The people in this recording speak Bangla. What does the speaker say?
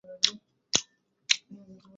কিন্তু পশ্চিমাংশের মানুষ আগামী বর্ষাতেও ভুগবে।